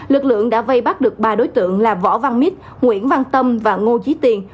lực lượng đã vây bắt được ba đối tượng là võ văn mít nguyễn văn tâm và ngô trí tiền